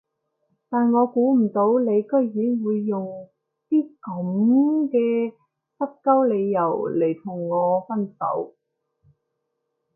但我估唔到你居然會用啲噉嘅濕鳩理由嚟同我分手